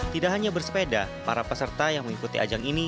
tidak hanya bersepeda para peserta yang mengikuti ajang ini